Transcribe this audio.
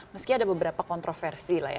meski ada beberapa kontroversi lah ya